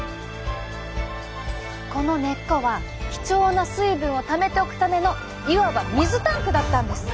この根っこは貴重な水分をためておくためのいわば水タンクだったんです。